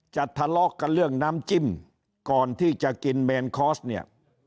ทะเลาะกันเรื่องน้ำจิ้มก่อนที่จะกินแมนคอสเนี่ย